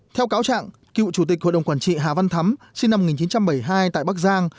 theo cáo trạng cựu chủ tịch hội đồng quản trị hà văn thắm sinh năm một nghìn chín trăm bảy mươi hai tại bắc giang